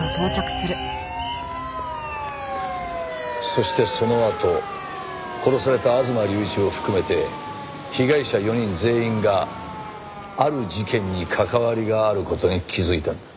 そしてそのあと殺された吾妻隆一を含めて被害者４人全員がある事件に関わりがある事に気づいたんだ。